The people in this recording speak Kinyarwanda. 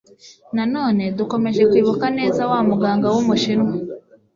Na none dukomeje kwibuka neza wa muganga wumushinwa